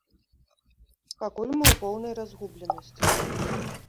Пакуль мы ў поўнай разгубленасці.